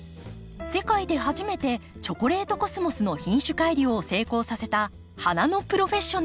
世界で初めてチョコレートコスモスの品種改良を成功させた花のプロフェッショナルです。